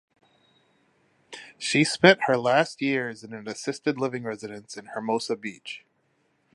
She spent her last years in an assisted living residence in Hermosa Beach.